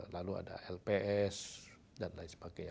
lalu ada lps dan lain sebagainya